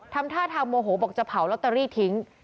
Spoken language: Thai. ทำท่าทางโมโหบอกจะเผาลอตเตอรี่ทิ้ง